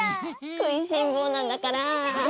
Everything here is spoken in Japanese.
食いしん坊なんだから。